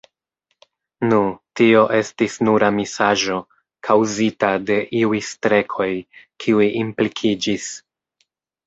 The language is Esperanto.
Nu, tio estis nura misaĵo, kaŭzita de iuj strekoj, kiuj implikiĝis.